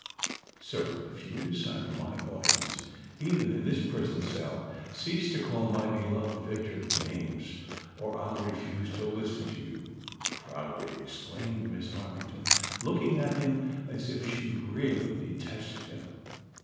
" Sir, if you desire my audience even in this prison cell, cease to call my beloved Victor names, or I'll refuse to listen to you," proudly exclaimed Miss Armington, looking at him as if she really detested him.